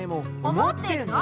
思ってるの？